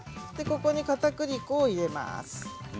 ここにかたくり粉を入れます。